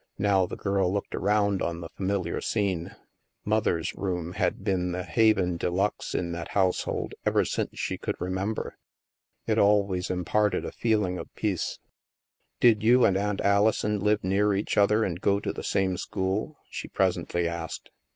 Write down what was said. Now, the girl looked around on the familiar scene. Mother's room " had been the haven de luxe in that household, ever since she could remember. It always imparted a feeling of peace. " Did you and Aunt Alison live near each other and go to the same school?" she presently asked.